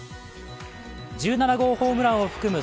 １７号ホームランを含む